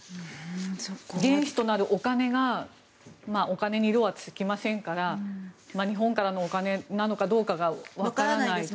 原資となるお金がお金に色はつきませんから日本からのお金なのかどうかがわからないと。